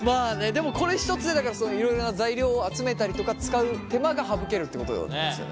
でもこれ１つでだからいろいろな材料を集めたりとか使う手間が省けるってことなんですよね？